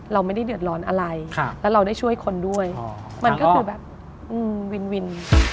เราไม่ได้เดือดร้อนอะไรแล้วเราได้ช่วยคนด้วยมันก็คือแบบวินวิน